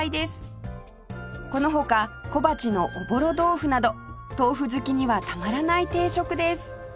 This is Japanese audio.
この他小鉢のおぼろ豆腐など豆腐好きにはたまらない定食です